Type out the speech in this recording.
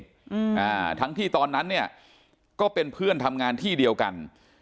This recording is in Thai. อืมอ่าทั้งที่ตอนนั้นเนี่ยก็เป็นเพื่อนทำงานที่เดียวกัน